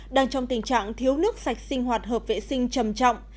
đang trong tình trạng thiếu nước sạch sinh hoạt hợp vệ sinh trầm trọng